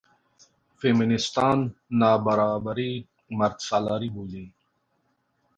فیمینېستان نابرابري مردسالاري بولي.